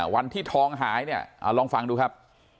วันที่ทองหายเนี่ยลองฟังดูครับ